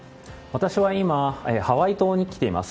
私は今、ハワイ島に来ています。